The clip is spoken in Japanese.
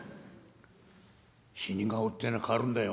「死に顔ってえのは変わるんだよ」。